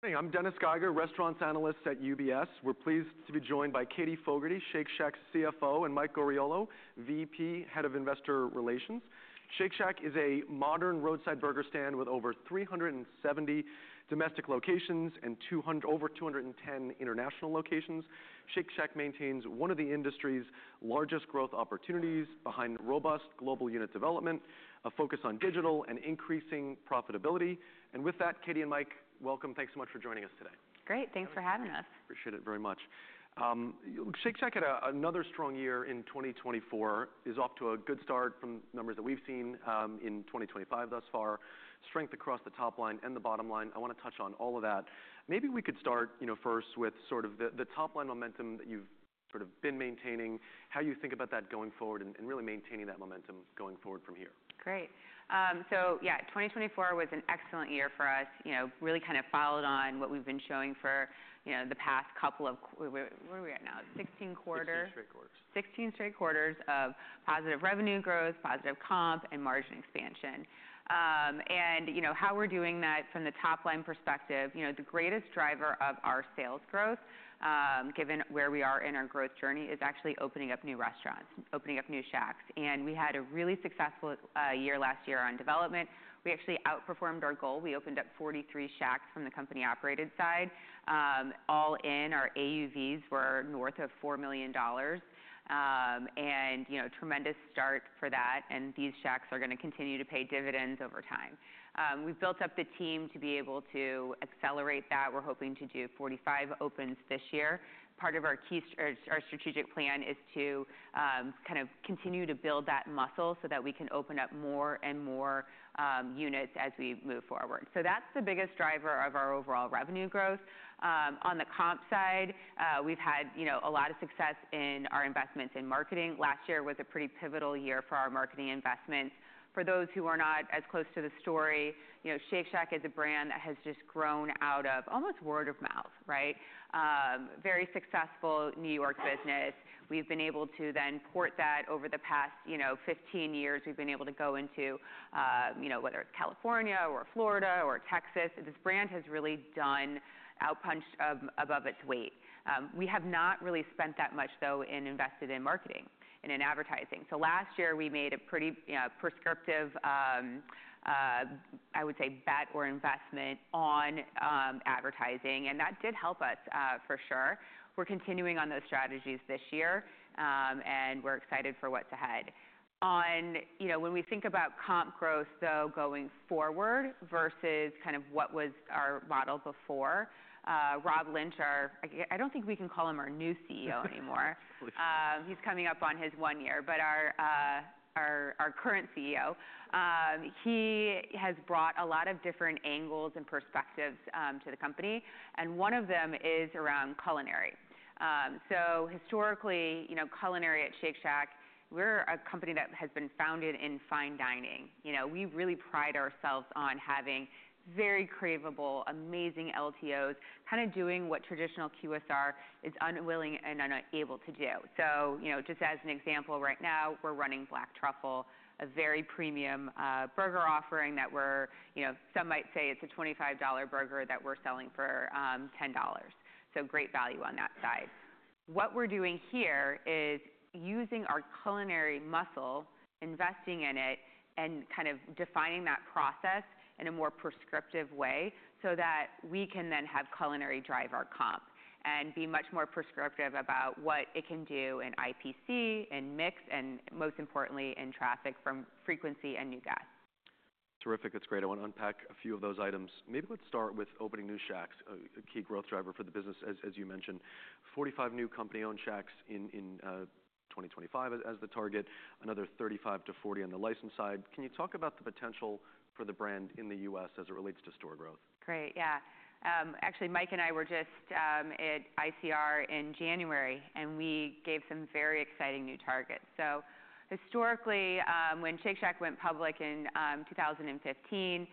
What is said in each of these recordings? Hey, I'm Dennis Geiger, Restaurants Analyst at UBS. We're pleased to be joined by Katie Fogertey, Shake Shack's CFO, and Mike Oriolo, VP, Head of Investor Relations. Shake Shack is a modern roadside burger stand with over 370 domestic locations and over 210 international locations. Shake Shack maintains one of the industry's largest growth opportunities behind robust global unit development, a focus on digital and increasing profitability. Katie and Mike, welcome. Thanks so much for joining us today. Great. Thanks for having us. Appreciate it very much. Shake Shack had another strong year in 2024, is off to a good start from numbers that we've seen in 2025 thus far. Strength across the top line and the bottom line. I want to touch on all of that. Maybe we could start first with sort of the top line momentum that you've sort of been maintaining, how you think about that going forward and really maintaining that momentum going forward from here. Great. Yeah, 2024 was an excellent year for us, really kind of followed on what we've been showing for the past couple of, what are we at now, 16 quarters? 16 straight quarters. Sixteen straight quarters of positive revenue growth, positive comp, and margin expansion. How we're doing that from the top line perspective, the greatest driver of our sales growth, given where we are in our growth journey, is actually opening up new restaurants, opening up new Shacks. We had a really successful year last year on development. We actually outperformed our goal. We opened up 43 Shacks from the company operated side. All in, our AUVs were north of $4 million. Tremendous start for that. These Shacks are going to continue to pay dividends over time. We've built up the team to be able to accelerate that. We're hoping to do 45 opens this year. Part of our strategic plan is to kind of continue to build that muscle so that we can open up more and more units as we move forward. That's the biggest driver of our overall revenue growth. On the comp side, we've had a lot of success in our investments in marketing. Last year was a pretty pivotal year for our marketing investments. For those who are not as close to the story, Shake Shack is a brand that has just grown out of almost word of mouth, right? Very successful New York business. We've been able to then port that over the past 15 years. We've been able to go into whether it's California or Florida or Texas. This brand has really outpunched above its weight. We have not really spent that much, though, in invested in marketing and in advertising. Last year, we made a pretty prescriptive, I would say, bet or investment on advertising. That did help us for sure. We're continuing on those strategies this year. We're excited for what's ahead. When we think about comp growth, though, going forward versus kind of what was our model before, Rob Lynch, I don't think we can call him our new CEO anymore. He's coming up on his one year, but our current CEO, he has brought a lot of different angles and perspectives to the company. One of them is around culinary. Historically, culinary at Shake Shack, we're a company that has been founded in fine dining. We really pride ourselves on having very craveable, amazing LTOs, kind of doing what traditional QSR is unwilling and unable to do. Just as an example, right now, we're running black truffle, a very premium burger offering that some might say it's a $25 burger that we're selling for $10. Great value on that side. What we're doing here is using our culinary muscle, investing in it, and kind of defining that process in a more prescriptive way so that we can then have culinary drive our comp and be much more prescriptive about what it can do in IPC and mix and, most importantly, in traffic from frequency and new guests. Terrific. That's great. I want to unpack a few of those items. Maybe let's start with opening new Shacks, a key growth driver for the business, as you mentioned. Forty-five new company-owned Shacks in 2025 as the target, another 35-40 on the license side. Can you talk about the potential for the brand in the U.S. as it relates to store growth? Great. Yeah. Actually, Mike and I were just at ICR in January, and we gave some very exciting new targets. Historically, when Shake Shack went public in 2015,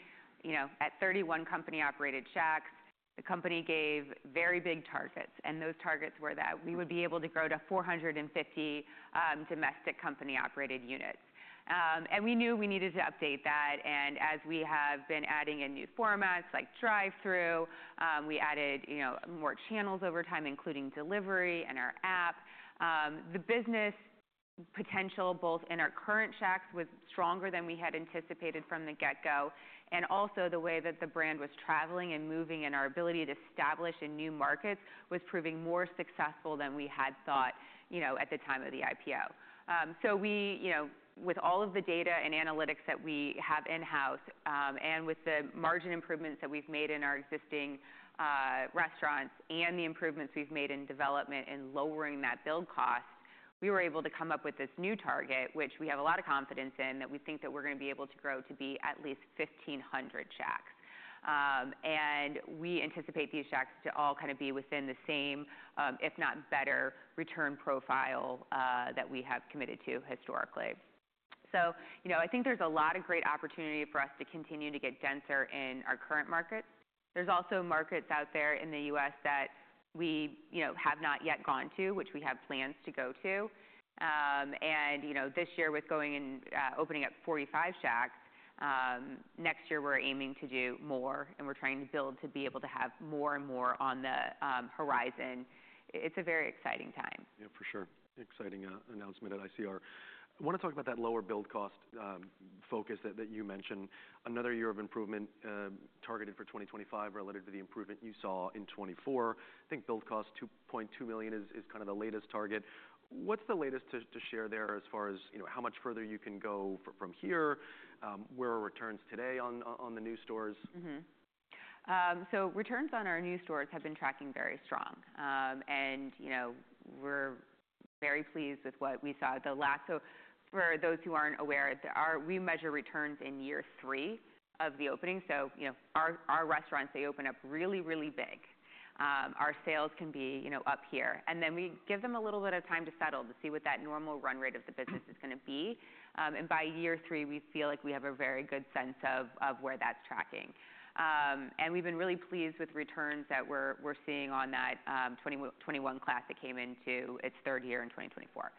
at 31 company-operated Shacks, the company gave very big targets. Those targets were that we would be able to grow to 450 domestic company-operated units. We knew we needed to update that. As we have been adding in new formats like drive-through, we added more channels over time, including delivery and our app. The business potential, both in our current Shacks, was stronger than we had anticipated from the get-go. Also, the way that the brand was traveling and moving and our ability to establish in new markets was proving more successful than we had thought at the time of the IPO. With all of the data and analytics that we have in-house and with the margin improvements that we've made in our existing restaurants and the improvements we've made in development and lowering that build cost, we were able to come up with this new target, which we have a lot of confidence in, that we think that we're going to be able to grow to be at least 1,500 shacks. We anticipate these shacks to all kind of be within the same, if not better, return profile that we have committed to historically. I think there's a lot of great opportunity for us to continue to get denser in our current markets. There's also markets out there in the U.S. that we have not yet gone to, which we have plans to go to. This year, with going and opening up 45 Shacks, next year, we're aiming to do more. We're trying to build to be able to have more and more on the horizon. It's a very exciting time. Yeah, for sure. Exciting announcement at ICR. I want to talk about that lower build cost focus that you mentioned. Another year of improvement targeted for 2025 related to the improvement you saw in 2024. I think build cost $2.2 million is kind of the latest target. What's the latest to share there as far as how much further you can go from here? Where are returns today on the new stores? Returns on our new stores have been tracking very strong. We are very pleased with what we saw at the last. For those who are not aware, we measure returns in year three of the opening. Our restaurants open up really, really big. Our sales can be up here. We give them a little bit of time to settle to see what that normal run rate of the business is going to be. By year three, we feel like we have a very good sense of where that is tracking. We have been really pleased with returns that we are seeing on that 2021 class that came into its third year in 2024.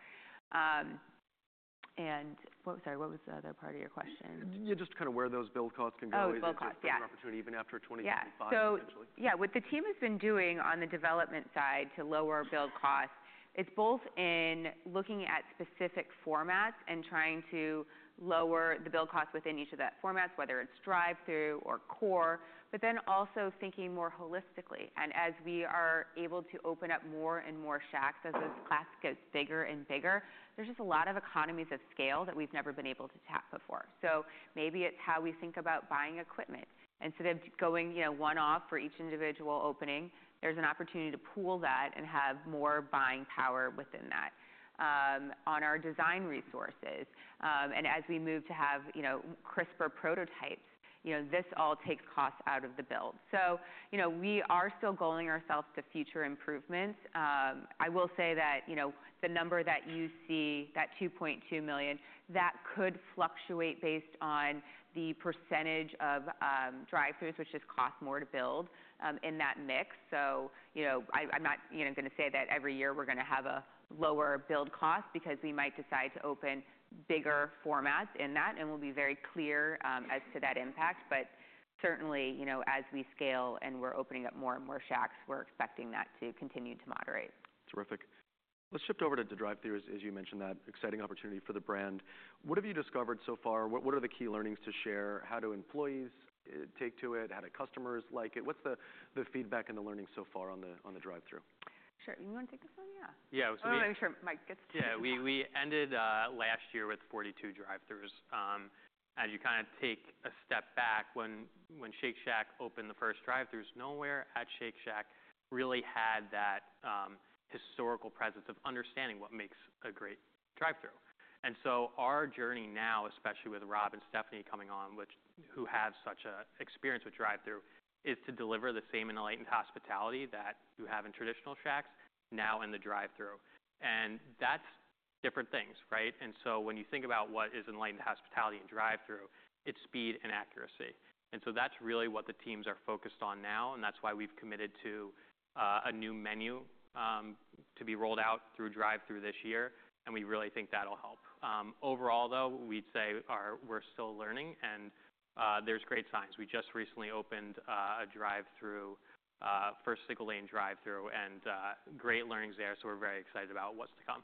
Sorry, what was the other part of your question? Just kind of where those build costs can go. Oh, build costs, yeah. As an opportunity even after 2025, potentially. Yeah. So yeah, what the team has been doing on the development side to lower build costs, it's both in looking at specific formats and trying to lower the build cost within each of that formats, whether it's drive-through or core, but then also thinking more holistically. As we are able to open up more and more Shacks, as this class gets bigger and bigger, there's just a lot of economies of scale that we've never been able to tap before. Maybe it's how we think about buying equipment. Instead of going one-off for each individual opening, there's an opportunity to pool that and have more buying power within that. On our design resources, and as we move to have crisper prototypes, this all takes costs out of the build. We are still goaling ourselves to future improvements. I will say that the number that you see, that $2.2 million, that could fluctuate based on the percentage of drive-throughs, which just cost more to build in that mix. I'm not going to say that every year we're going to have a lower build cost because we might decide to open bigger formats in that. We will be very clear as to that impact. Certainly, as we scale and we're opening up more and more Shacks, we're expecting that to continue to moderate. Terrific. Let's shift over to drive-throughs, as you mentioned, that exciting opportunity for the brand. What have you discovered so far? What are the key learnings to share? How do employees take to it? How do customers like it? What's the feedback and the learning so far on the drive-through? Sure. You want to take this one? Yeah. Yeah. I want to make sure Mike gets to take it. Yeah. We ended last year with 42 drive-throughs. As you kind of take a step back, when Shake Shack opened the first drive-throughs, nowhere at Shake Shack really had that historical presence of understanding what makes a great drive-through. Our journey now, especially with Rob and Stephanie coming on, who have such an experience with drive-through, is to deliver the same enlightened hospitality that you have in traditional Shacks now in the drive-through. That is different things, right? When you think about what is enlightened hospitality in drive-through, it is speed and accuracy. That is really what the teams are focused on now. That is why we have committed to a new menu to be rolled out through drive-through this year. We really think that will help. Overall, though, we would say we are still learning. There are great signs. We just recently opened a drive-through, first single lane drive-through, and great learnings there. We are very excited about what's to come.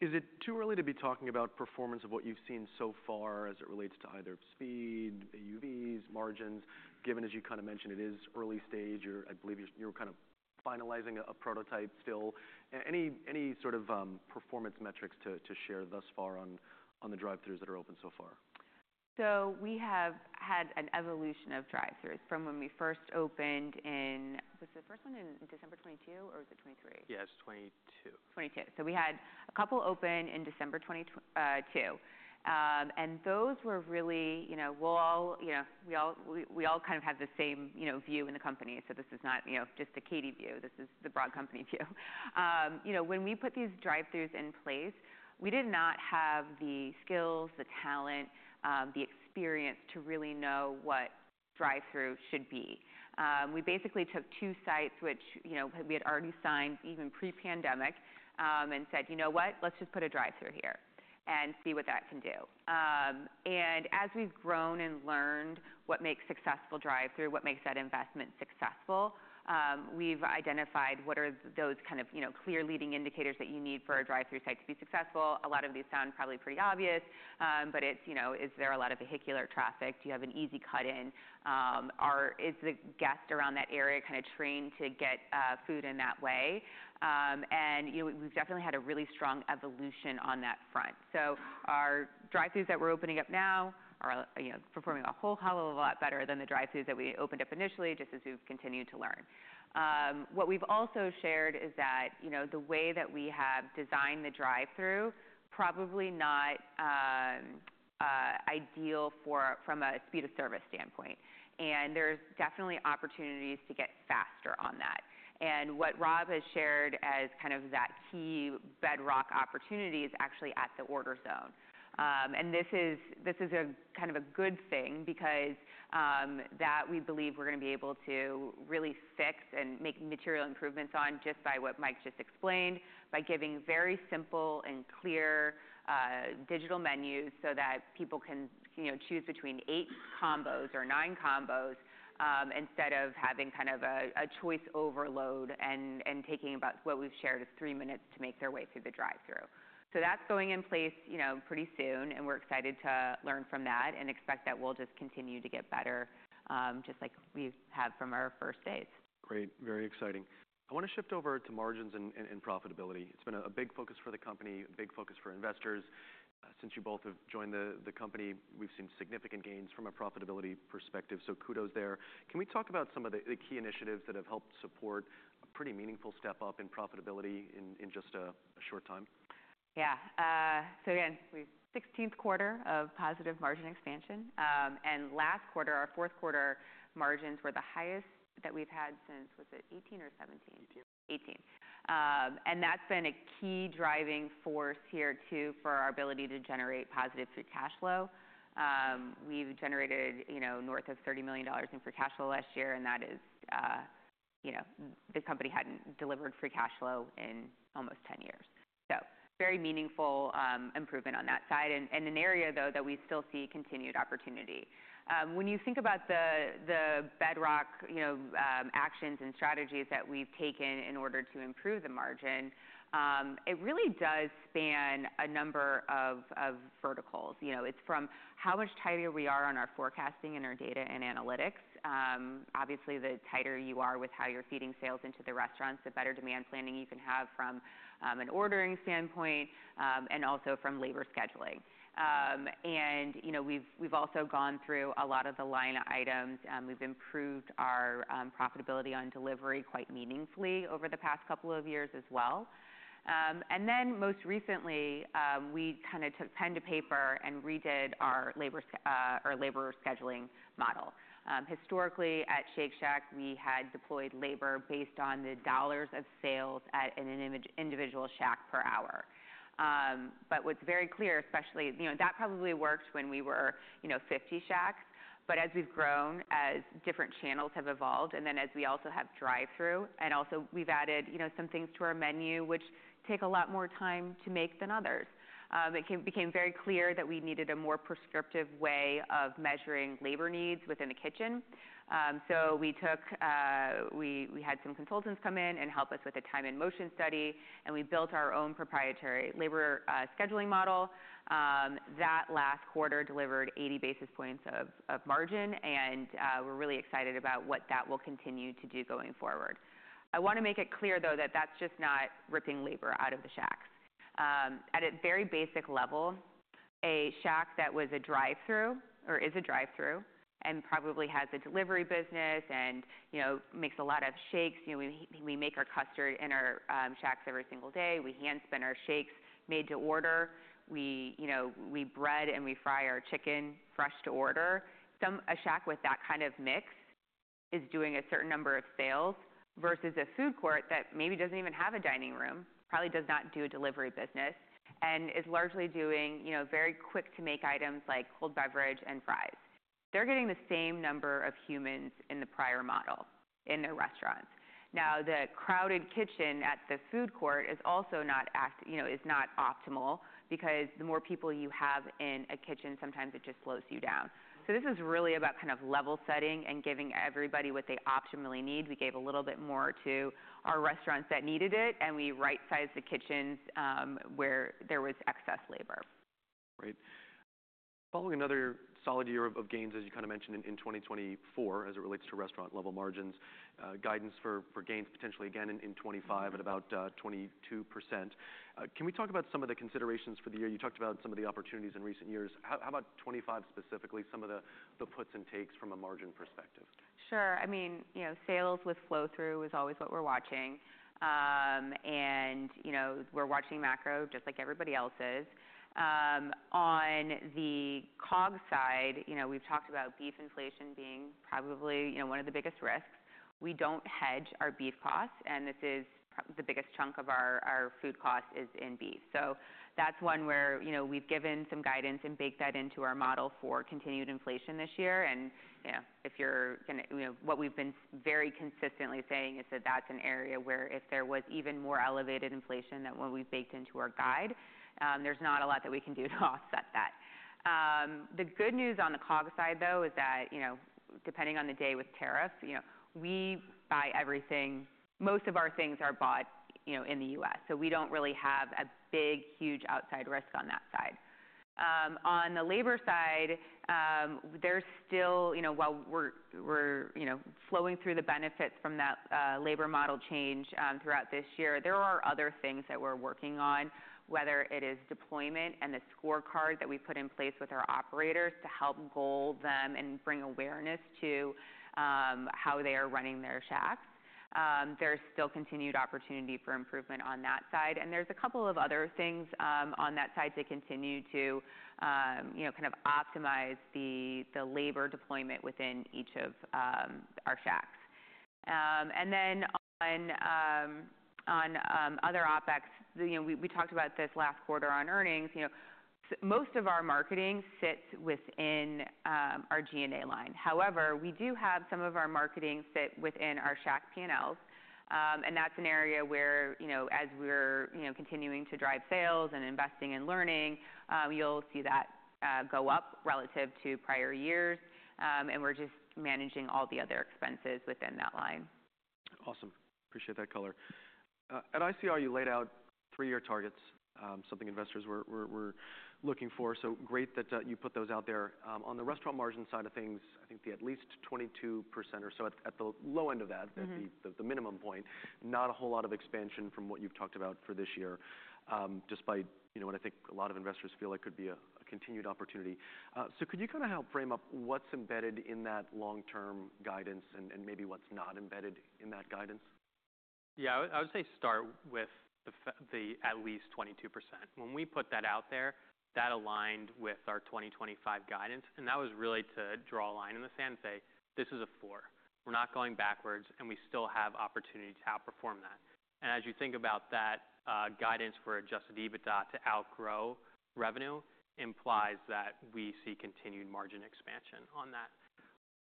Is it too early to be talking about performance of what you've seen so far as it relates to either speed, AUVs, margins? Given as you kind of mentioned, it is early stage. I believe you're kind of finalizing a prototype still. Any sort of performance metrics to share thus far on the drive-throughs that are open so far? We have had an evolution of drive-throughs from when we first opened in, was it the first one in December 2022 or was it 2023? Yeah, it's 2022. 2022. We had a couple open in December 2022. Those were really, we all kind of have the same view in the company. This is not just the Katie view. This is the broad company view. When we put these drive-throughs in place, we did not have the skills, the talent, the experience to really know what drive-through should be. We basically took two sites, which we had already signed even pre-pandemic and said, you know what, let's just put a drive-through here and see what that can do. As we've grown and learned what makes successful drive-through, what makes that investment successful, we've identified what are those kind of clear leading indicators that you need for a drive-through site to be successful. A lot of these sound probably pretty obvious, but is there a lot of vehicular traffic? Do you have an easy cut-in? Is the guest around that area kind of trained to get food in that way? We've definitely had a really strong evolution on that front. Our drive-throughs that we're opening up now are performing a whole hell of a lot better than the drive-throughs that we opened up initially, just as we've continued to learn. What we've also shared is that the way that we have designed the drive-through, probably not ideal from a speed of service standpoint. There are definitely opportunities to get faster on that. What Rob has shared as kind of that key bedrock opportunity is actually at the order zone. This is kind of a good thing because we believe we're going to be able to really fix and make material improvements on just by what Mike just explained, by giving very simple and clear digital menus so that people can choose between eight combos or nine combos instead of having kind of a choice overload and taking about what we've shared as three minutes to make their way through the drive-through. That is going in place pretty soon. We are excited to learn from that and expect that we'll just continue to get better just like we have from our first days. Great. Very exciting. I want to shift over to margins and profitability. It's been a big focus for the company, a big focus for investors. Since you both have joined the company, we've seen significant gains from a profitability perspective. Kudos there. Can we talk about some of the key initiatives that have helped support a pretty meaningful step up in profitability in just a short time? Yeah. So again, we've had our 16th quarter of positive margin expansion. And last quarter, our fourth quarter margins were the highest that we've had since, was it 2018 or 2017? 2018. 2018 and that's been a key driving force here too for our ability to generate positive free cash flow. We've generated north of $30 million in free cash flow last year. That is, the company hadn't delivered free cash flow in almost 10 years. Very meaningful improvement on that side. An area, though, that we still see continued opportunity. When you think about the bedrock actions and strategies that we've taken in order to improve the margin, it really does span a number of verticals. It's from how much tighter we are on our forecasting and our data and analytics. Obviously, the tighter you are with how you're feeding sales into the restaurants, the better demand planning you can have from an ordering standpoint and also from labor scheduling. We've also gone through a lot of the line items. We've improved our profitability on delivery quite meaningfully over the past couple of years as well. Most recently, we kind of took pen to paper and redid our labor scheduling model. Historically, at Shake Shack, we had deployed labor based on the dollars of sales at an individual Shack per hour. What's very clear, especially that probably worked when we were 50 Shacks. As we've grown, as different channels have evolved, and as we also have drive-through, and also we've added some things to our menu, which take a lot more time to make than others, it became very clear that we needed a more prescriptive way of measuring labor needs within the kitchen. We had some consultants come in and help us with a time and motion study. We built our own proprietary labor scheduling model. That last quarter delivered 80 basis points of margin. We are really excited about what that will continue to do going forward. I want to make it clear, though, that that is just not ripping labor out of the shacks. At a very basic level, a shack that was a drive-through or is a drive-through and probably has a delivery business and makes a lot of shakes, we make our custard in our shacks every single day. We hand spin our shakes made to order. We bread and we fry our chicken fresh to order. A shack with that kind of mix is doing a certain number of sales versus a food court that maybe does not even have a dining room, probably does not do a delivery business, and is largely doing very quick-to-make items like cold beverage and fries. They're getting the same number of humans in the prior model in their restaurants. The crowded kitchen at the food court is also not optimal because the more people you have in a kitchen, sometimes it just slows you down. This is really about kind of level setting and giving everybody what they optimally need. We gave a little bit more to our restaurants that needed it. We right-sized the kitchens where there was excess labor. Great. Following another solid year of gains, as you kind of mentioned in 2024, as it relates to restaurant-level margins, guidance for gains potentially again in 2025 at about 22%. Can we talk about some of the considerations for the year? You talked about some of the opportunities in recent years. How about 2025 specifically, some of the puts and takes from a margin perspective? Sure. I mean, sales with flow-through is always what we're watching. We're watching macro just like everybody else is. On the COGS side, we've talked about beef inflation being probably one of the biggest risks. We don't hedge our beef costs. This is the biggest chunk of our food cost is in beef. That's one where we've given some guidance and baked that into our model for continued inflation this year. If you're going to what we've been very consistently saying is that that's an area where if there was even more elevated inflation than what we baked into our guide, there's not a lot that we can do to offset that. The good news on the COGS side, though, is that depending on the day with tariffs, we buy everything. Most of our things are bought in the U.S. We do not really have a big, huge outside risk on that side. On the labor side, while we are flowing through the benefits from that labor model change throughout this year, there are other things that we are working on, whether it is deployment and the scorecard that we put in place with our operators to help goal them and bring awareness to how they are running their shacks. There is still continued opportunity for improvement on that side. There are a couple of other things on that side to continue to kind of optimize the labor deployment within each of our shacks. On other OpEx, we talked about this last quarter on earnings. Most of our marketing sits within our G&A line. However, we do have some of our marketing sit within our shack P&Ls. That is an area where, as we're continuing to drive sales and investing and learning, you'll see that go up relative to prior years. We're just managing all the other expenses within that line. Awesome. Appreciate that color. At ICR, you laid out three-year targets, something investors were looking for. Great that you put those out there. On the restaurant margin side of things, I think the at least 22% or so at the low end of that, the minimum point, not a whole lot of expansion from what you've talked about for this year, despite what I think a lot of investors feel like could be a continued opportunity. Could you kind of help frame up what's embedded in that long-term guidance and maybe what's not embedded in that guidance? Yeah. I would say start with the at least 22%. When we put that out there, that aligned with our 2025 guidance. That was really to draw a line in the sand and say, this is a four. We're not going backwards. We still have opportunity to outperform that. As you think about that guidance for adjusted EBITDA to outgrow revenue, it implies that we see continued margin expansion on that.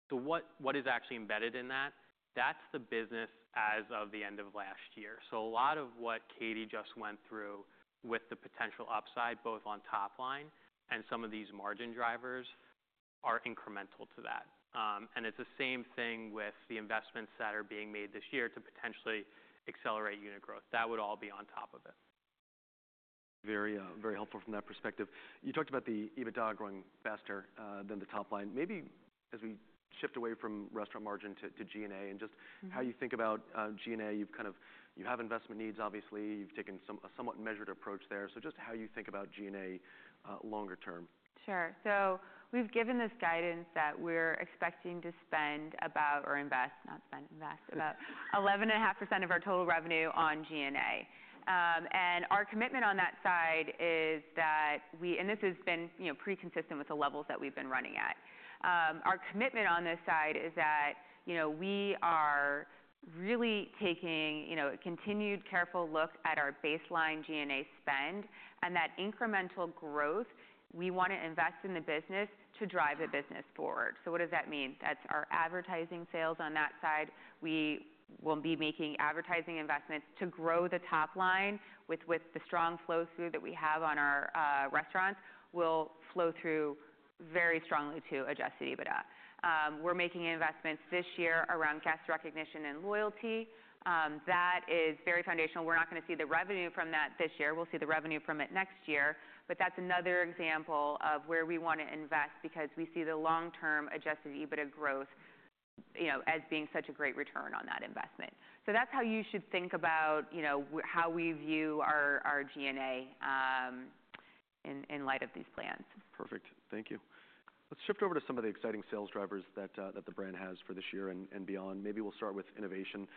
What is actually embedded in that? That's the business as of the end of last year. A lot of what Katie just went through with the potential upside, both on top line and some of these margin drivers, are incremental to that. It's the same thing with the investments that are being made this year to potentially accelerate unit growth. That would all be on top of it. Very helpful from that perspective. You talked about the EBITDA growing faster than the top line. Maybe as we shift away from restaurant margin to G&A and just how you think about G&A, you've kind of you have investment needs, obviously. You've taken a somewhat measured approach there. Just how you think about G&A longer term. Sure. We have given this guidance that we are expecting to spend about, or invest, not spend, invest about 11.5% of our total revenue on G&A. Our commitment on that side is that we, and this has been pretty consistent with the levels that we have been running at. Our commitment on this side is that we are really taking a continued careful look at our baseline G&A spend and that incremental growth. We want to invest in the business to drive the business forward. What does that mean? That is our advertising sales on that side. We will be making advertising investments to grow the top line with the strong flow-through that we have on our restaurants. We will flow through very strongly to adjusted EBITDA. We are making investments this year around guest recognition and loyalty. That is very foundational. We are not going to see the revenue from that this year. We'll see the revenue from it next year. That is another example of where we want to invest because we see the long-term adjusted EBITDA growth as being such a great return on that investment. That is how you should think about how we view our G&A in light of these plans. Perfect. Thank you. Let's shift over to some of the exciting sales drivers that the brand has for this year and beyond. Maybe we'll start with innovation,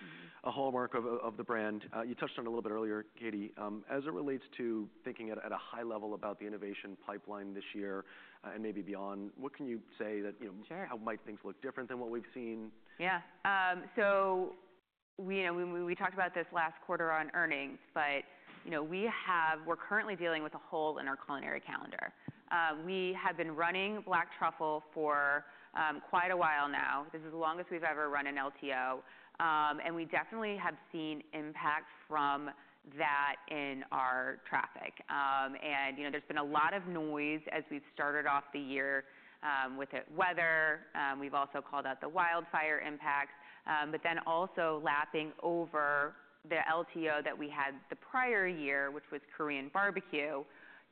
a hallmark of the brand. You touched on it a little bit earlier, Katie, as it relates to thinking at a high level about the innovation pipeline this year and maybe beyond. What can you say that how might things look different than what we've seen? Yeah. We talked about this last quarter on earnings. We're currently dealing with a hole in our culinary calendar. We have been running black truffle for quite a while now. This is the longest we've ever run an LTO. We definitely have seen impact from that in our traffic. There's been a lot of noise as we've started off the year with weather. We've also called out the wildfire impacts. Also lapping over the LTO that we had the prior year, which was Korean Barbecue,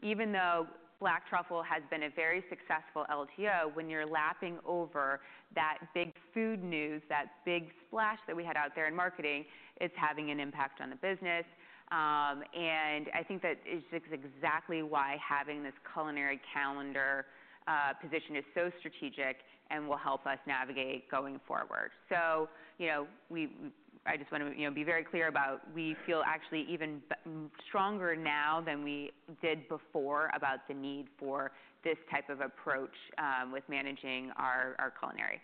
even though black truffle has been a very successful LTO, when you're lapping over that big food news, that big splash that we had out there in marketing, it's having an impact on the business. I think that is exactly why having this culinary calendar position is so strategic and will help us navigate going forward. I just want to be very clear about we feel actually even stronger now than we did before about the need for this type of approach with managing our culinary.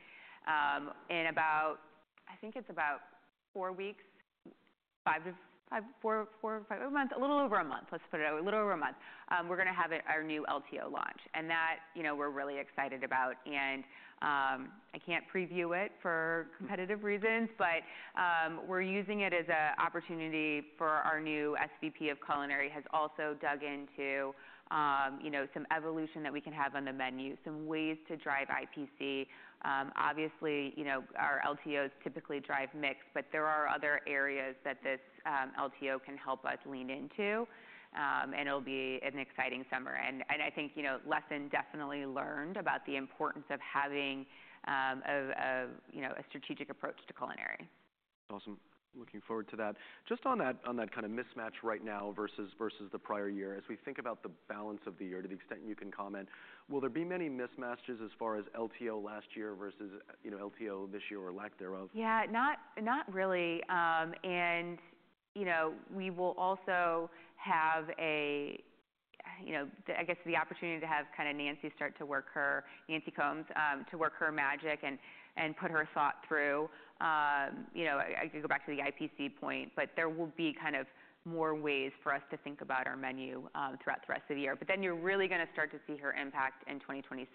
In about, I think it's about four weeks, four, five months, a little over a month. Let's put it a little over a month. We're going to have our new LTO launch. That we're really excited about. I can't preview it for competitive reasons. We're using it as an opportunity for our new SVP of Culinary has also dug into some evolution that we can have on the menu, some ways to drive IPC. Obviously, our LTOs typically drive mix. There are other areas that this LTO can help us lean into. It'll be an exciting summer. I think lesson definitely learned about the importance of having a strategic approach to culinary. Awesome. Looking forward to that. Just on that kind of mismatch right now versus the prior year, as we think about the balance of the year, to the extent you can comment, will there be many mismatches as far as LTO last year versus LTO this year or lack thereof? Yeah, not really. We will also have, I guess, the opportunity to have kind of Nancy start to work her, Nancy Combs, to work her magic and put her thought through. I can go back to the IPC point. There will be kind of more ways for us to think about our menu throughout the rest of the year. You are really going to start to see her impact in 2026.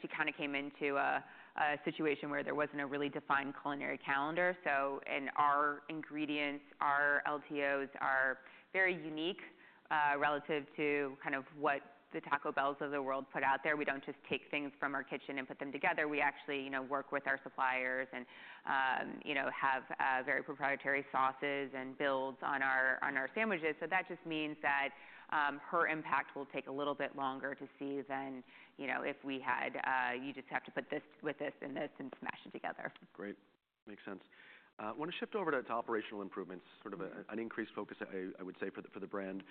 She kind of came into a situation where there was not a really defined culinary calendar. Our ingredients, our LTOs are very unique relative to kind of what the Taco Bells of the world put out there. We do not just take things from our kitchen and put them together. We actually work with our suppliers and have very proprietary sauces and builds on our sandwiches. That just means that her impact will take a little bit longer to see than if we had you just have to put this with this and this and smash it together. Great. Makes sense. I want to shift over to operational improvements, sort of an increased focus, I would say, for the brand.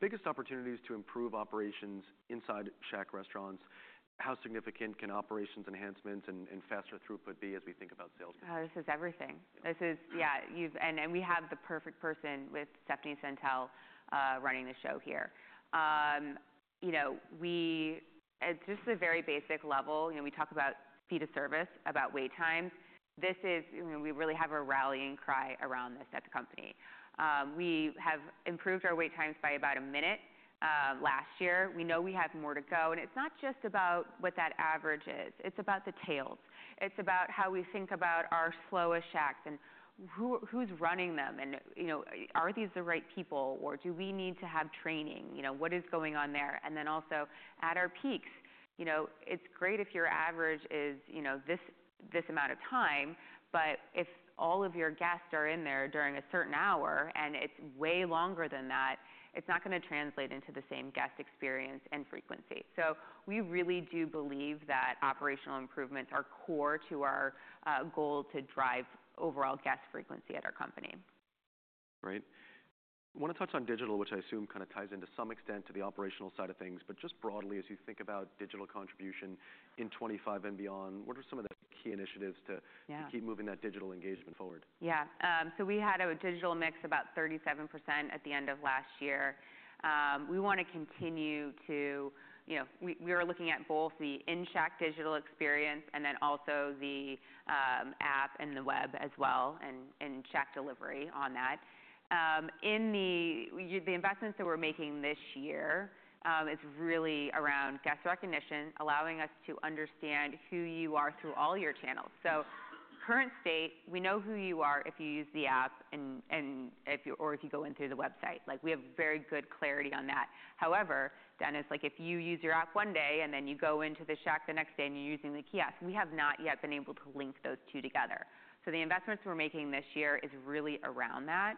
Biggest opportunities to improve operations inside Shack restaurants, how significant can operations enhancements and faster throughput be as we think about sales? This is everything. This is, yeah. We have the perfect person with Stephanie Sentell running the show here. At just the very basic level, we talk about speed of service, about wait times. We really have a rallying cry around this at the company. We have improved our wait times by about a minute last year. We know we have more to go. It's not just about what that average is. It's about the tails. It's about how we think about our slowest Shacks and who's running them. Are these the right people? Or do we need to have training? What is going on there? Also at our peaks, it's great if your average is this amount of time. If all of your guests are in there during a certain hour and it's way longer than that, it's not going to translate into the same guest experience and frequency. We really do believe that operational improvements are core to our goal to drive overall guest frequency at our company. Great. I want to touch on digital, which I assume kind of ties into some extent to the operational side of things. Just broadly, as you think about digital contribution in 2025 and beyond, what are some of the key initiatives to keep moving that digital engagement forward? Yeah. So we had a digital mix about 37% at the end of last year. We want to continue to we are looking at both the in-shack digital experience and then also the app and the web as well and Shack delivery on that. The investments that we're making this year is really around guest recognition, allowing us to understand who you are through all your channels. Current state, we know who you are if you use the app or if you go in through the website. We have very good clarity on that. However, Dennis, if you use your app one day and then you go into the Shack the next day and you're using the kiosk, we have not yet been able to link those two together. The investments we're making this year is really around that.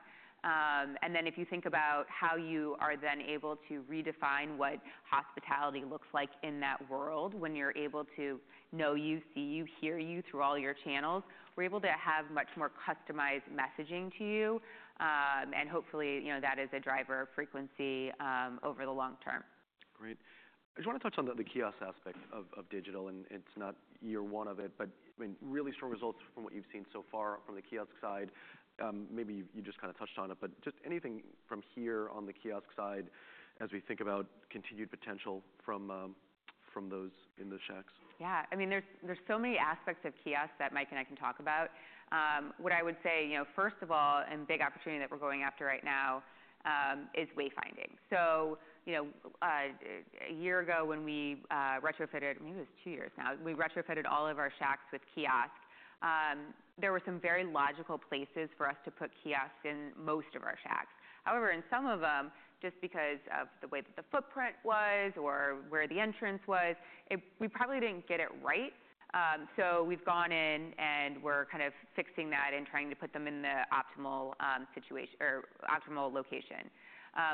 If you think about how you are then able to redefine what hospitality looks like in that world when you're able to know you, see you, hear you through all your channels, we're able to have much more customized messaging to you. Hopefully, that is a driver of frequency over the long term. Great. I just want to touch on the kiosk aspect of digital. It is not year one of it. Really strong results from what you have seen so far from the kiosk side. Maybe you just kind of touched on it. Just anything from here on the kiosk side as we think about continued potential from those in the Shacks? Yeah. I mean, there's so many aspects of kiosk that Mike and I can talk about. What I would say, first of all, a big opportunity that we're going after right now is wayfinding. A year ago when we retrofitted, maybe it was two years now, we retrofitted all of our Shacks with kiosks. There were some very logical places for us to put kiosks in most of our Shacks. However, in some of them, just because of the way that the footprint was or where the entrance was, we probably didn't get it right. We have gone in and we're kind of fixing that and trying to put them in the optimal location.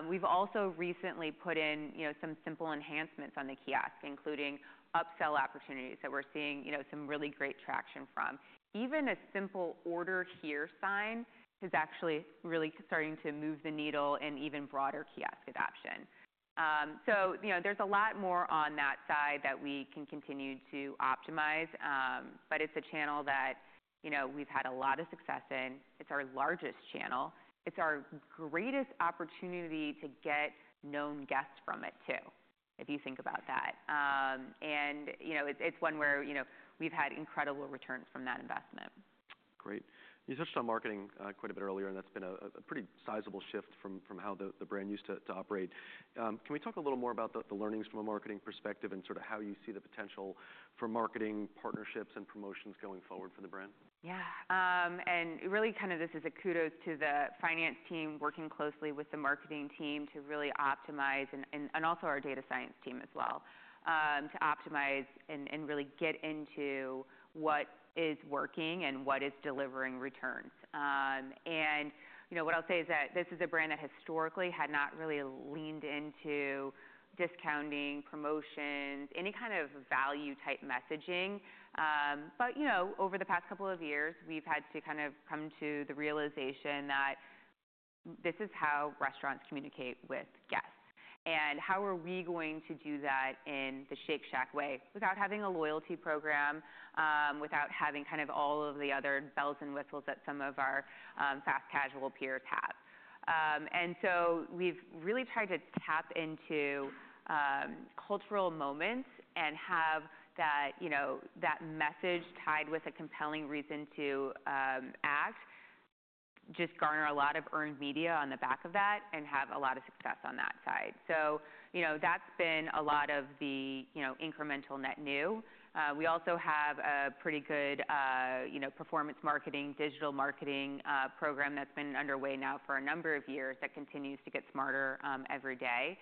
We have also recently put in some simple enhancements on the kiosk, including upsell opportunities that we're seeing some really great traction from. Even a simple order here sign is actually really starting to move the needle in even broader kiosk adoption. There is a lot more on that side that we can continue to optimize. It is a channel that we have had a lot of success in. It is our largest channel. It is our greatest opportunity to get known guests from it too, if you think about that. It is one where we have had incredible returns from that investment. Great. You touched on marketing quite a bit earlier. That's been a pretty sizable shift from how the brand used to operate. Can we talk a little more about the learnings from a marketing perspective and sort of how you see the potential for marketing partnerships and promotions going forward for the brand? Yeah. This is a kudos to the finance team working closely with the marketing team to really optimize and also our data science team as well to optimize and really get into what is working and what is delivering returns. What I'll say is that this is a brand that historically had not really leaned into discounting, promotions, any kind of value-type messaging. Over the past couple of years, we've had to kind of come to the realization that this is how restaurants communicate with guests. How are we going to do that in the Shake Shack way without having a loyalty program, without having kind of all of the other bells and whistles that some of our fast casual peers have? We have really tried to tap into cultural moments and have that message tied with a compelling reason to act, just garner a lot of earned media on the back of that and have a lot of success on that side. That has been a lot of the incremental net new. We also have a pretty good performance marketing, digital marketing program that has been underway now for a number of years that continues to get smarter every day.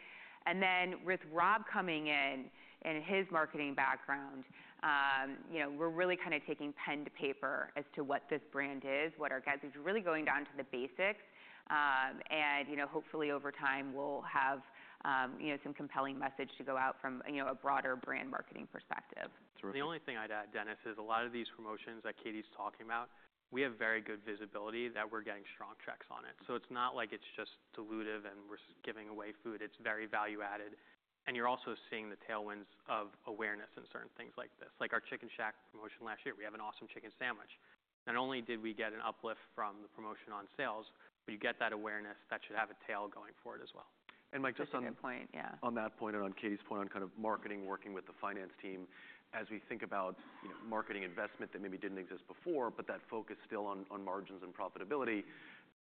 With Rob coming in and his marketing background, we are really kind of taking pen to paper as to what this brand is, what our guys are really going down to the basics. Hopefully, over time, we will have some compelling message to go out from a broader brand marketing perspective. The only thing I'd add, Dennis, is a lot of these promotions that Katie's talking about, we have very good visibility that we're getting strong checks on it. It is not like it is just dilutive and we're giving away food. It is very value-added. You are also seeing the tailwinds of awareness in certain things like this. Like our Chicken Shack promotion last year, we have an awesome chicken sandwich. Not only did we get an uplift from the promotion on sales, but you get that awareness that should have a tail going for it as well. That's a good point. Yeah. On that point and on Katie's point on kind of marketing working with the finance team, as we think about marketing investment that maybe didn't exist before, but that focus still on margins and profitability,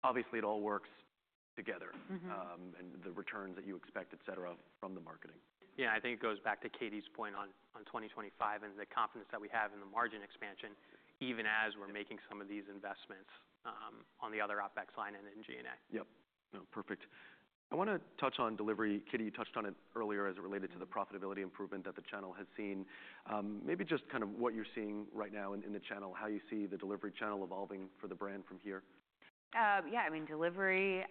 obviously, it all works together. The returns that you expect, et cetera, from the marketing. Yeah, I think it goes back to Katie's point on 2025 and the confidence that we have in the margin expansion, even as we're making some of these investments on the other OpEx line and in G&A. Yep. Perfect. I want to touch on delivery. Katie, you touched on it earlier as it related to the profitability improvement that the channel has seen. Maybe just kind of what you're seeing right now in the channel, how you see the delivery channel evolving for the brand from here. Yeah. I mean, delivery,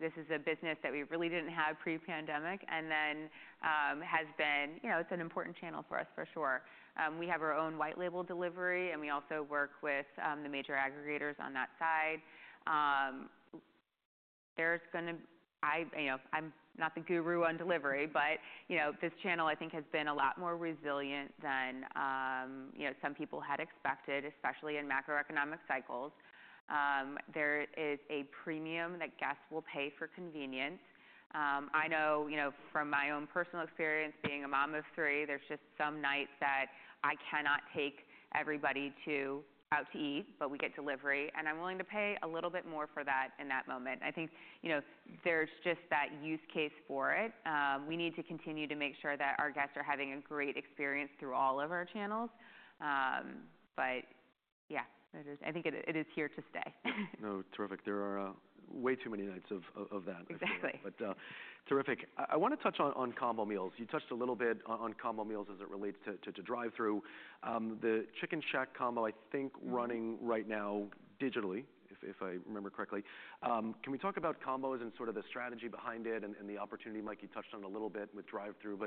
this is a business that we really did not have pre-pandemic and then has been, it is an important channel for us for sure. We have our own white label delivery. We also work with the major aggregators on that side. I am not the guru on delivery. This channel, I think, has been a lot more resilient than some people had expected, especially in macroeconomic cycles. There is a premium that guests will pay for convenience. I know from my own personal experience being a mom of three, there are just some nights that I cannot take everybody out to eat. We get delivery. I am willing to pay a little bit more for that in that moment. I think there is just that use case for it. We need to continue to make sure that our guests are having a great experience through all of our channels. Yeah, I think it is here to stay. No, terrific. There are way too many nights of that. Exactly. Terrific. I want to touch on combo meals. You touched a little bit on combo meals as it relates to drive-through. The Chicken Shack combo, I think, running right now digitally, if I remember correctly. Can we talk about combos and sort of the strategy behind it and the opportunity? Mike, you touched on it a little bit with drive-through.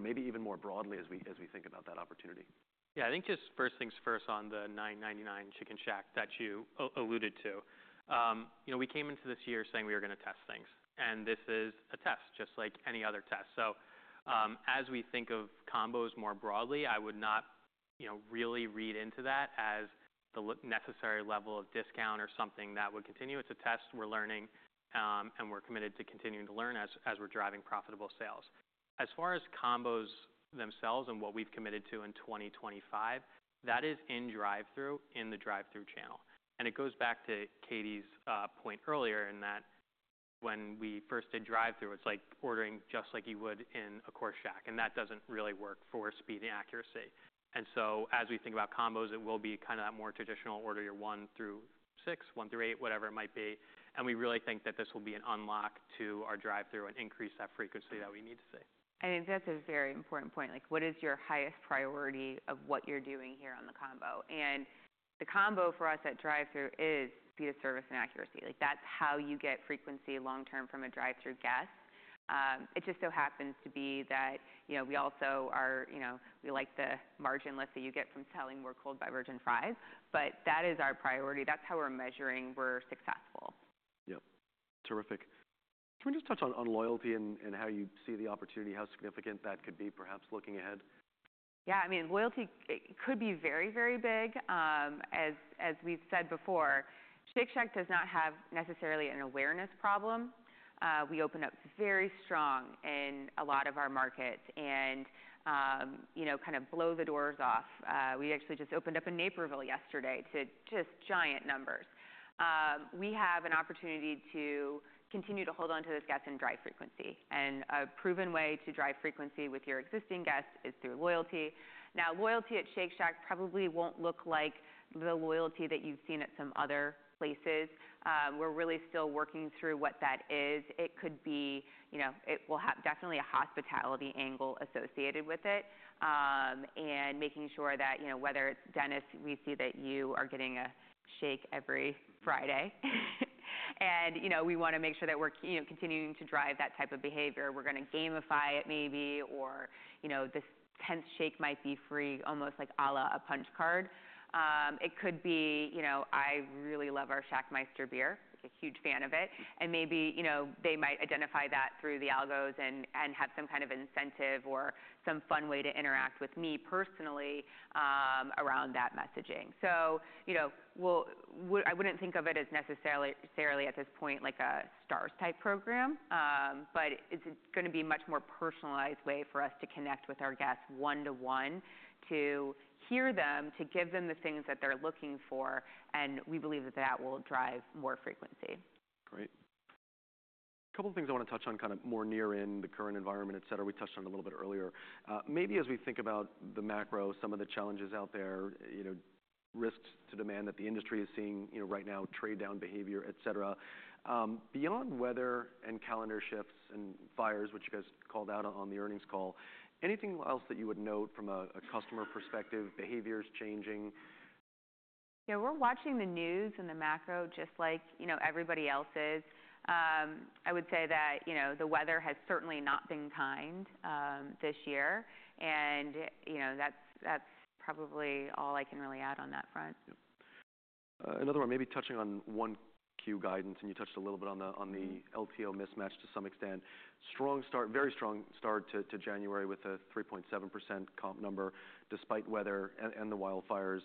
Maybe even more broadly as we think about that opportunity. Yeah, I think just first things first on the $9.99 Chicken Shack that you alluded to. We came into this year saying we were going to test things. This is a test, just like any other test. As we think of combos more broadly, I would not really read into that as the necessary level of discount or something that would continue. It's a test we're learning. We're committed to continuing to learn as we're driving profitable sales. As far as combos themselves and what we've committed to in 2025, that is in drive-through in the drive-through channel. It goes back to Katie's point earlier in that when we first did drive-through, it's like ordering just like you would in a core Shack. That doesn't really work for speed and accuracy. As we think about combos, it will be kind of that more traditional order your one through six, one through eight, whatever it might be. We really think that this will be an unlock to our drive-through and increase that frequency that we need to see. I think that's a very important point. What is your highest priority of what you're doing here on the combo? The combo for us at drive-through is speed of service and accuracy. That's how you get frequency long term from a drive-through guest. It just so happens to be that we also are, we like the margin lift that you get from selling more cold beverage and fries. That is our priority. That's how we're measuring we're successful. Yep. Terrific. Can we just touch on loyalty and how you see the opportunity, how significant that could be, perhaps looking ahead? Yeah. I mean, loyalty could be very, very big. As we've said before, Shake Shack does not have necessarily an awareness problem. We open up very strong in a lot of our markets and kind of blow the doors off. We actually just opened up in Naperville yesterday to just giant numbers. We have an opportunity to continue to hold on to those guests and drive frequency. A proven way to drive frequency with your existing guests is through loyalty. Now, loyalty at Shake Shack probably won't look like the loyalty that you've seen at some other places. We're really still working through what that is. It could be it will have definitely a hospitality angle associated with it and making sure that whether it's Dennis, we see that you are getting a shake every Friday. We want to make sure that we're continuing to drive that type of behavior. We're going to gamify it maybe. Or this 10th shake might be free, almost like a punch card. It could be I really love our Shackmeister beer, a huge fan of it. Maybe they might identify that through the algos and have some kind of incentive or some fun way to interact with me personally around that messaging. I wouldn't think of it as necessarily at this point like a stars type program. It's going to be a much more personalized way for us to connect with our guests one to one to hear them, to give them the things that they're looking for. We believe that that will drive more frequency. Great. A couple of things I want to touch on kind of more near in the current environment, et cetera. We touched on it a little bit earlier. Maybe as we think about the macro, some of the challenges out there, risks to demand that the industry is seeing right now, trade down behavior, et cetera. Beyond weather and calendar shifts and fires, which you guys called out on the earnings call, anything else that you would note from a customer perspective, behaviors changing? Yeah, we're watching the news and the macro just like everybody else is. I would say that the weather has certainly not been kind this year. That's probably all I can really add on that front. Another one, maybe touching on 1Q guidance. You touched a little bit on the LTO mismatch to some extent. Strong start, very strong start to January with a 3.7% comp number despite weather and the wildfires.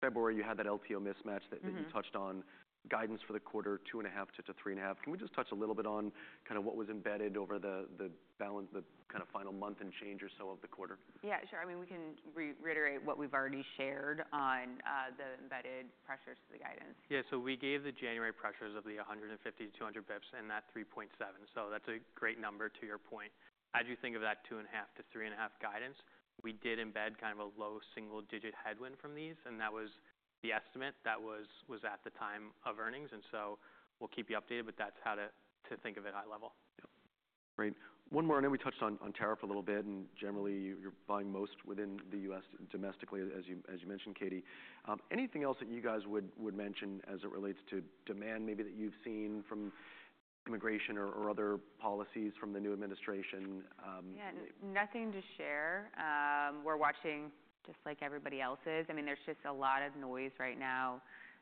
February, you had that LTO mismatch that you touched on. Guidance for the quarter 2.5 to 3.5. Can we just touch a little bit on kind of what was embedded over the kind of final month and change or so of the quarter? Yeah, sure. I mean, we can reiterate what we've already shared on the embedded pressures to the guidance. Yeah. We gave the January pressures of the 150-200 basis points and that 3.7. That is a great number to your point. As you think of that 2.5 to 3.5 guidance, we did embed kind of a low single digit headwind from these. That was the estimate that was at the time of earnings. We will keep you updated. That is how to think of it high level. Yep. Great. One more. I know we touched on tariff a little bit. Generally, you're buying most within the U.S. domestically, as you mentioned, Katie. Anything else that you guys would mention as it relates to demand maybe that you've seen from immigration or other policies from the new administration? Yeah, nothing to share. We're watching just like everybody else is. I mean, there's just a lot of noise right now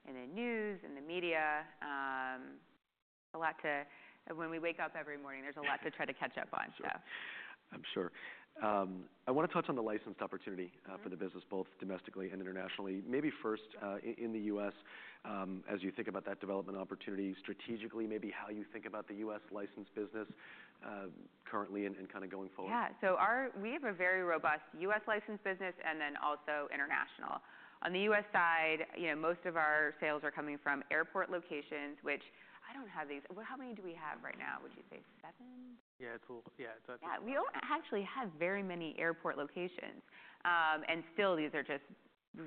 in the news, in the media. There's a lot to when we wake up every morning, there's a lot to try to catch up on. I'm sure. I want to touch on the licensed opportunity for the business, both domestically and internationally. Maybe first in the U.S., as you think about that development opportunity, strategically maybe how you think about the U.S. licensed business currently and kind of going forward. Yeah. We have a very robust U.S. licensed business and then also international. On the U.S. side, most of our sales are coming from airport locations, which I don't have these. How many do we have right now? Would you say seven? Yeah. Yeah, we do not actually have very many airport locations. Still, these are just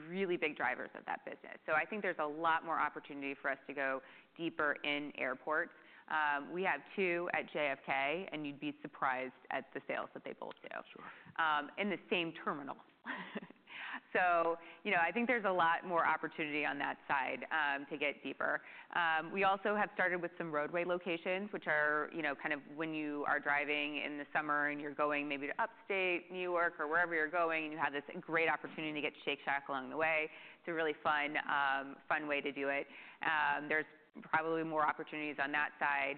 really big drivers of that business. I think there is a lot more opportunity for us to go deeper in airports. We have two at JFK. You would be surprised at the sales that they both do in the same terminal. I think there is a lot more opportunity on that side to get deeper. We also have started with some roadway locations, which are kind of when you are driving in the summer and you are going maybe to Upstate New York or wherever you are going. You have this great opportunity to get Shake Shack along the way. It is a really fun way to do it. There are probably more opportunities on that side.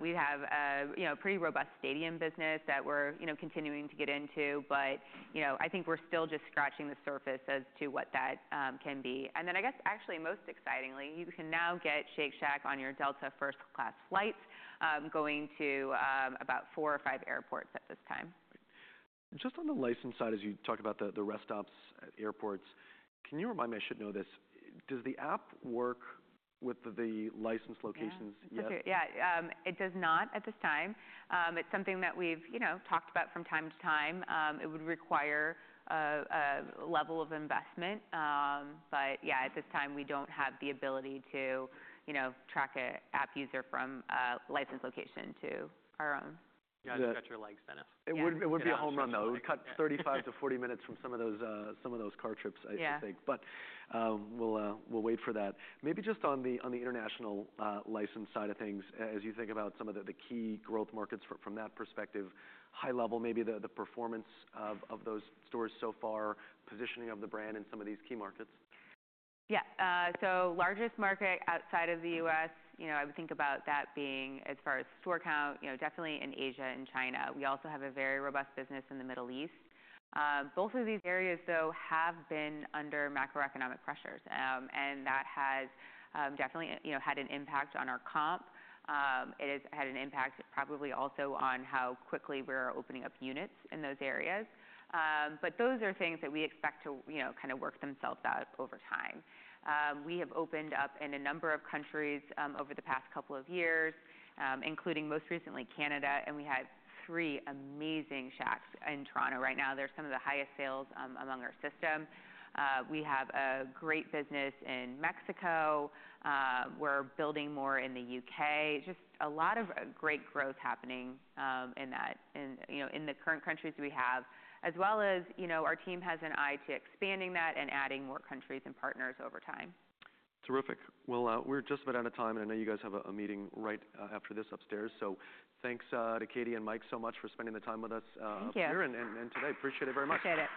We have a pretty robust stadium business that we are continuing to get into. I think we're still just scratching the surface as to what that can be. I guess, actually, most excitingly, you can now get Shake Shack on your Delta First Class flights going to about four or five airports at this time. Just on the license side, as you talk about the rest stops at airports, can you remind me I should know this? Does the app work with the licensed locations yet? Yeah, it does not at this time. It's something that we've talked about from time to time. It would require a level of investment. Yeah, at this time, we don't have the ability to track an app user from a licensed location to our own. You got to stretch your legs, Dennis. It would be a home run though. It would cut 35-40 minutes from some of those car trips, I think. We will wait for that. Maybe just on the international license side of things, as you think about some of the key growth markets from that perspective, high level, maybe the performance of those stores so far, positioning of the brand in some of these key markets. Yeah. Largest market outside of the U.S., I would think about that being as far as store count, definitely in Asia and China. We also have a very robust business in the Middle East. Both of these areas, though, have been under macroeconomic pressures. That has definitely had an impact on our comp. It has had an impact probably also on how quickly we're opening up units in those areas. Those are things that we expect to kind of work themselves out over time. We have opened up in a number of countries over the past couple of years, including most recently Canada. We had three amazing Shacks in Toronto. Right now, they're some of the highest sales among our system. We have a great business in Mexico. We're building more in the U.K. Just a lot of great growth happening in the current countries we have, as well as our team has an eye to expanding that and adding more countries and partners over time. Terrific. We're just about out of time. I know you guys have a meeting right after this upstairs. Thanks to Katie and Mike so much for spending the time with us here today. Appreciate it very much. Appreciate it.